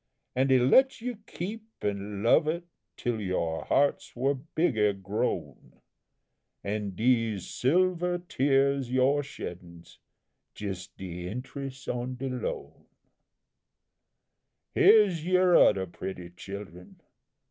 An' He let you keep an' love it till your hearts were bigger grown; An' dese silver tears your sheddin's jest de interes' on the loan. "Here's yer oder pretty childrun!